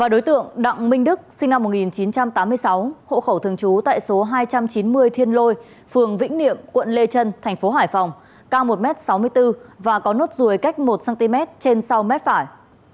đối tượng đặng minh đức sinh năm một nghìn chín trăm tám mươi sáu hộ khẩu thường trú tại số hai trăm chín mươi thiên lôi phường vĩnh niệm quận lê trân thành phố hải phòng cao một m sáu mươi bốn và có nốt ruồi cách một cm trên sau mép phải